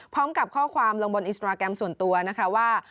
พร้อมกับข้อความลงบนอินสตราแกรมส่วนตัวนะคะว่า